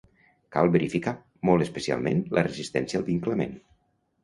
Cal verificar, molt especialment, la resistència al vinclament.